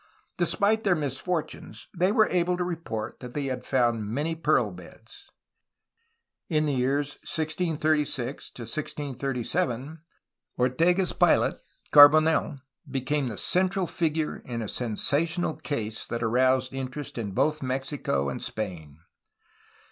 Despite their misfortunes, they wereable to report that they had found many pearl beds. In the years 1636 1637 Ortega's pilot, Carbonel, became the central figure in a sensational case that aroused interest in both Mexico and Spain.